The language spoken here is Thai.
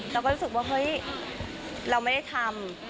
เราก็รู้สึกว่าเฮ้ยเราไม่ได้ทำ